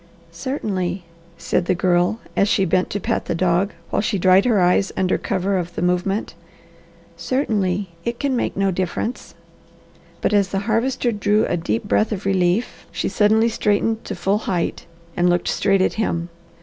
"Certainly!" said the Girl as she bent to pat the dog, while she dried her eyes under cover of the movement. "Certainly! It can make no difference!" But as the Harvester drew a deep breath of relief, she suddenly straightened to full height and looked straight at him.